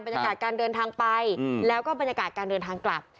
บรรยากาศการเดินทางไปแล้วก็บรรยากาศการเดินทางกลับ